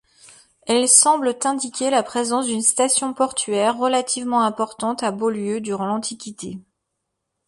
Elles semblent indiquer la présence d'une station portuaire relativement importante à Beaulieu durant l'Antiquité.